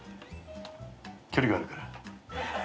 距離があるから。